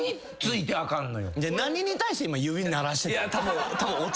何に対して今指鳴らしてた？